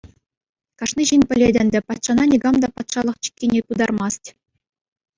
Кашни ҫын пӗлет ӗнтӗ, патшана никам та патшалӑх чиккине пытармасть.